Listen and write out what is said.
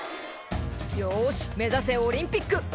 「よし目指せオリンピック！」